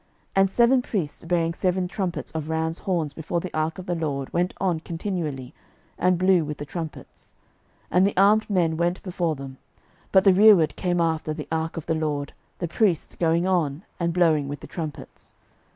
06:006:013 And seven priests bearing seven trumpets of rams' horns before the ark of the LORD went on continually, and blew with the trumpets: and the armed men went before them; but the rereward came after the ark of the LORD, the priests going on, and blowing with the trumpets.